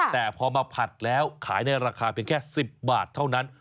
แต่พอมาผัดแล้วขายในราคาเพียงแค่๑๐บาทเท่านั้น